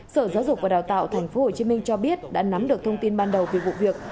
sở giáo dục và đào tạo tp hcm cho biết đã nắm được thông tin ban đầu về vụ việc